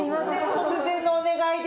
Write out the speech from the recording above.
突然のお願いで。